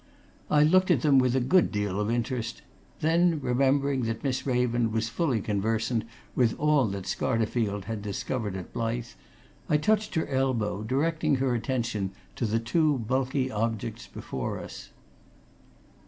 I looked at them with a good deal of interest; then, remembering that Miss Raven was fully conversant with all that Scarterfield had discovered at Blyth, I touched her elbow, directing her attention to the two bulky objects before us.